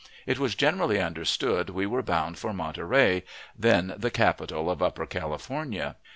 It was generally understood we were bound for Monterey, then the capital of Upper California.